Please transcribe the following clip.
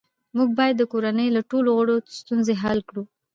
موږ باید د کورنۍ د ټولو غړو ستونزې حل کړو